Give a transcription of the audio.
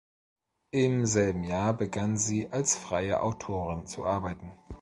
Im selben Jahr begann sie als freie Autorin zu arbeiten.